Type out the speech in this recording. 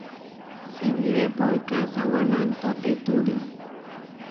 Simiré poiká sawanantotéturi.